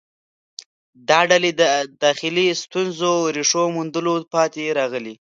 دا ډلې داخلي ستونزو ریښو موندلو پاتې راغلې